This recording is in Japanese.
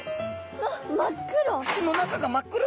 わっ真っ黒！